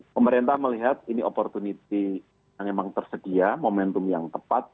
pemerintah melihat ini opportunity yang memang tersedia momentum yang tepat